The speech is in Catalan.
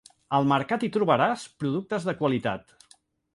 Al Mercat hi trobaràs productes de qualitat.